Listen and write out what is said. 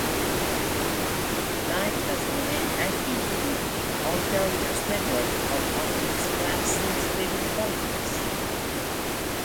Knight has remained active with Ontario's network of Optimist Clubs since leaving politics.